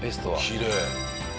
きれい。